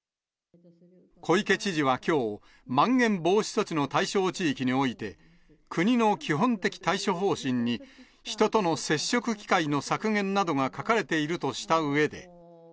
小池知事はきょう、まん延防止措置の対象地域において、国の基本的対処方針に、人との接触機会の削減などが書かれているとしたうえで。